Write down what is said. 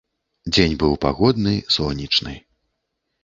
Дзень быў пагодны, сонечны.